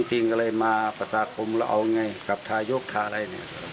จริงก็เลยมาประชาคมแล้วเอาไงกับทายกทาอะไรเนี่ย